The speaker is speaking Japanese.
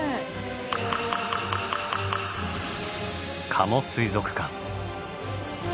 加茂水族館。